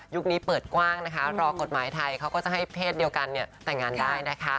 นี้เปิดกว้างนะคะรอกฎหมายไทยเขาก็จะให้เพศเดียวกันแต่งงานได้นะคะ